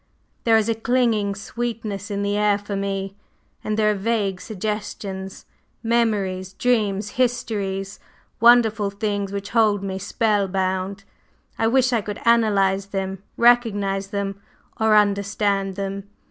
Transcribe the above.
There is a clinging sweetness in the air for me; and there are vague suggestions, memories, dreams, histories wonderful things which hold me spell bound! I wish I could analyze them, recognize them, or understand them.